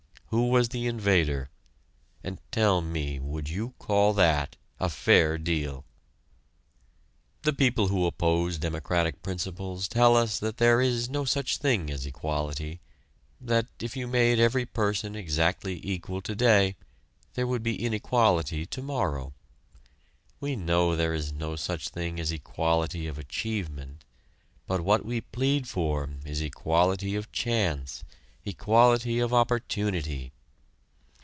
Who was the invader? and, tell me, would you call that a fair deal? The people who oppose democratic principles tell us that there is no such thing as equality that, if you made every person exactly equal today, there would be inequality tomorrow. We know there is no such thing as equality of achievement, but what we plead for is equality of chance, equality of opportunity.